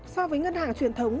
so với ngân hàng truyền thống